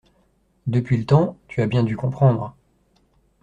Depuis le temps, tu as bien dû comprendre.